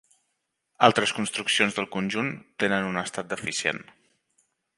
Altres construccions del conjunt, tenen un estat deficient.